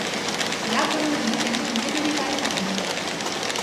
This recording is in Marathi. या भ्रमंतीत त्यांनी विविध ठिकाणे पाहिली.